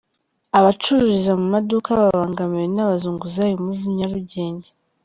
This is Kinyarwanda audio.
Abacururiza mu maduka babangamiwe n’Abazunguzayi Muri Nyarugenge